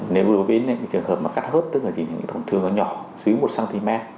nếu đối với những trường hợp mà cắt hớt tức là chỉ những tổn thương nó nhỏ dưới một cm